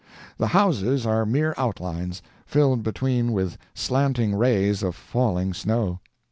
The houses are mere outlines, filled between with slanting rays of falling snow.